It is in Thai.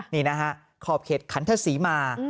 นี่นะฮะขอบเขตขันทศรีมา